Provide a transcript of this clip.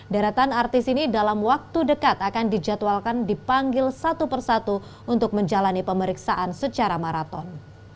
deretan artis ini dalam waktu dekat akan dijadwalkan dipanggil satu persatu untuk menjalani pemeriksaan secara maraton